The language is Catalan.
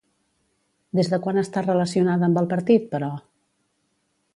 Des de quan està relacionada amb el partit, però?